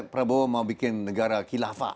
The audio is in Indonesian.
prabowo mau bikin negara kilafah